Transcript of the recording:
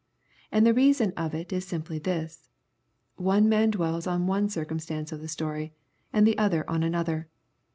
And the reason of it is simply this. • One man dwells on one circumstance of the story and the other on another.